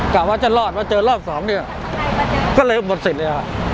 กล่าวว่าจะรอดว่าเจอรอบสองเนี้ยก็เลยหมดสินเลยอ่ะ